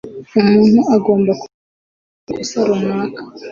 Umuntu agomba kuba yarakoze amakosa runaka.